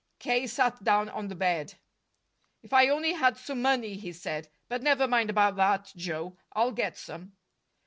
K. sat down on the bed. "If I only had some money!" he said. "But never mind about that, Joe; I'll get some."